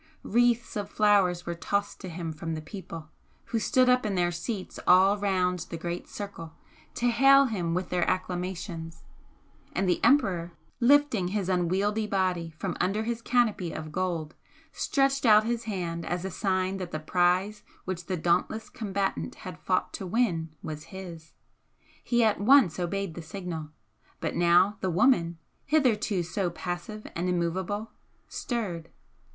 Wreaths of flowers were tossed to him from the people, who stood up in their seats all round the great circle to hail him with their acclamations, and the Emperor, lifting his unwieldy body from under his canopy of gold, stretched out his hand as a sign that the prize which the dauntless combatant had fought to win was his. He at once obeyed the signal; but now the woman, hitherto so passive and immovable, stirred.